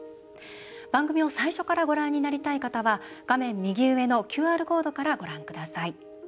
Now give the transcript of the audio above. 番組を最初からご覧になりたい方は画面右上のＱＲコードからご覧ください。